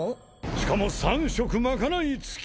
しかも３食まかない付き！